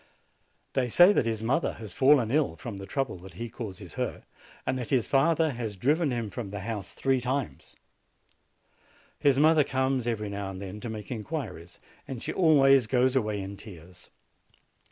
They say that his mother has fallen ill from the trouble that he causes her, and that his father has driven him from the house three times. His mother comes every now and then to make inquiries, and she always goes away in tears.